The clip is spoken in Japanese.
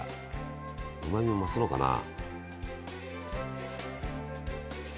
うまみ増すのかなあ。